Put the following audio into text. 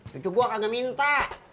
kejok gua kagak minta